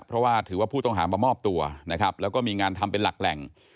เพราะว่าถือว่าผู้ต้องหามามอบตัวนะครับแล้วก็มีงานทำเป็นหลักแหล่ง